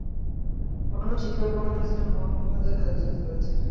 মানুষ ঠিকই বলে যে, মুহাম্মাদের হাতে জাদু আছে।